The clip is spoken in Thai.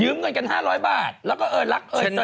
ยืมเงินกัน๕๐๐บาทแล้วก็เออรักใส่หอมเธอ